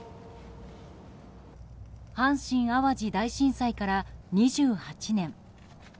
阪神・淡路大震災から２８年。